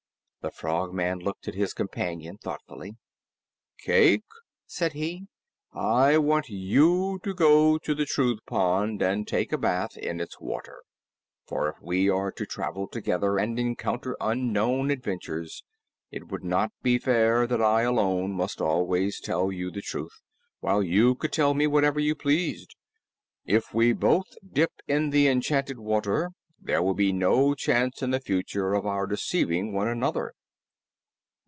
The Frogman looked at his companion thoughtfully. "Cayke," said he, "I want you to go to the Truth Pond and take a bath in its water. For if we are to travel together and encounter unknown adventures, it would not be fair that I alone must always tell you the truth, while you could tell me whatever you pleased. If we both dip in the enchanted water, there will be no chance in the future of our deceiving one another."